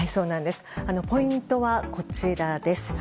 ポイントは、こちらです。